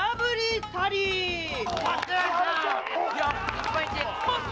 日本一！